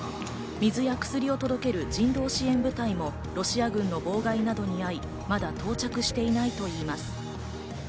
水や薬を届ける人道支援部隊もロシア軍の妨害などにあい、まだ到着していないと言います。